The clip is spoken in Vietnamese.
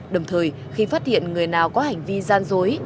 đồng thời khi phát hiện người nào có hành vi gian dối